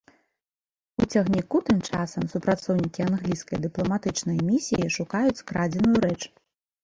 У цягніку тым часам супрацоўнікі англійскай дыпламатычнай місіі шукаюць скрадзеную рэч.